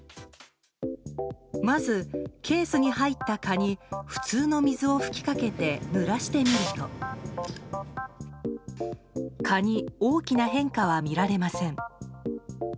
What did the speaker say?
まず、ケースに入った蚊に普通の水を吹きかけてぬらしてみると蚊に大きな変化は見られません。